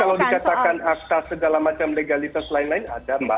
kalau dikatakan akta segala macam legalitas lain lain ada mbak